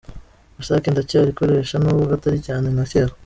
Rusake ndacyarikoresha nubwo atari cyane nka kera.